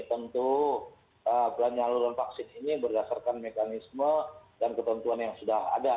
tentu penyaluran vaksin ini berdasarkan mekanisme dan ketentuan yang sudah ada